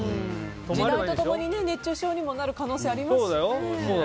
時代と共に熱中症になる可能性もありますしね。